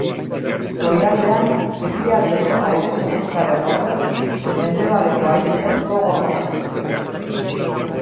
Goialdean, ekialdeko aire-zurrustaren ordez, mendebaleko haizeek gogor jotzen dute.